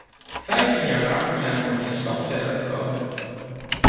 Vijftig jaar later zijn we nog geen stap verder gekomen.